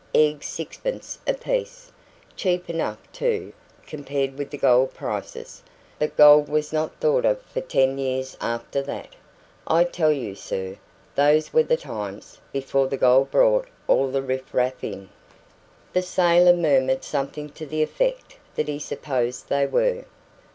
"Eggs sixpence apiece. Cheap enough, too, compared with the gold prices. But gold was not thought of for ten years after that. I tell you, sir, those were the times before the gold brought all the riff raff in." The sailor murmured something to the effect that he supposed they were.